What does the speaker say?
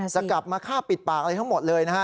กลับมาฆ่าปิดปากอะไรทั้งหมดเลยนะฮะ